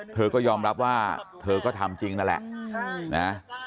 เธอก็ยอมรับว่าเธอก็ทำจริงนั่นแหละนะ